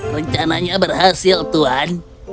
rencananya berhasil tuan